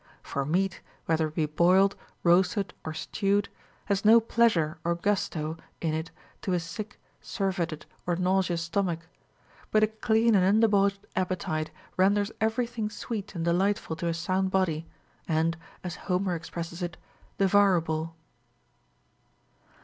For meat, whether it be boiled, roasted, or stewed, has no pleasure or gusto in it to a sick, surfeited, or nauseous stomach. But a clean and undebauched appetite renders every thing sweet and delightful to a sound body, and (as Homer expresses it) devourable.